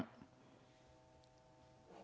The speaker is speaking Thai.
พูดดี